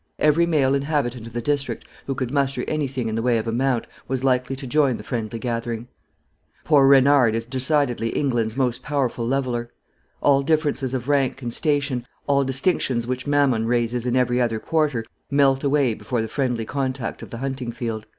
Every male inhabitant of the district who could muster anything in the way of a mount was likely to join the friendly gathering. Poor Reynard is decidedly England's most powerful leveller. All differences of rank and station, all distinctions which Mammon raises in every other quarter, melt away before the friendly contact of the hunting field.